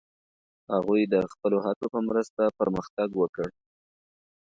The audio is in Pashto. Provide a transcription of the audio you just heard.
هغوی د خپلو هڅو په مرسته پرمختګ وکړ.